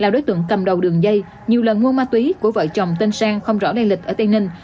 là đối tượng cầm đầu đường dây nhiều lần mua ma túy của vợ chồng tên sang không rõ lây lịch ở tây ninh